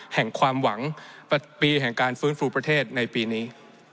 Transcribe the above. แห่งความหวังปีแห่งการฟื้นฟูประเทศในปีนี้